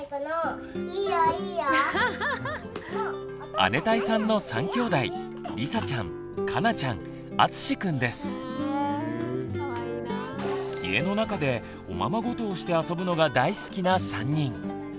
姉帶さんの３きょうだい家の中でおままごとをして遊ぶのが大好きな３人。